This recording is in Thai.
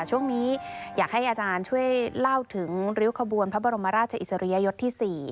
ช่วงนี้อยากให้อาจารย์ช่วยเล่าถึงริ้วขบวนพระบรมราชอิสริยยศที่๔